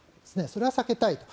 それは避けたいと。